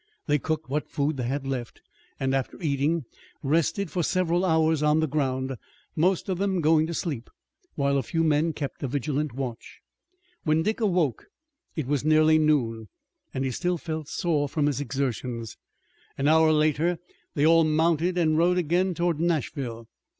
They cooked what food they had left, and after eating rested for several hours on the ground, most of them going to sleep, while a few men kept a vigilant watch. When Dick awoke it was nearly noon, and he still felt sore from his exertions. An hour later they all mounted and rode again toward Nashville.